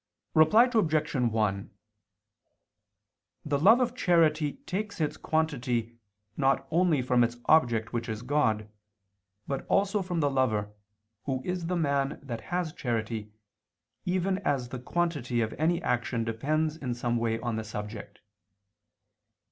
Reply Obj. 1: The love of charity takes its quantity not only from its object which is God, but also from the lover, who is the man that has charity, even as the quantity of any action depends in some way on the subject.